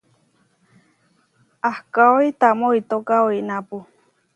Ahkói tamó itóka oinápu.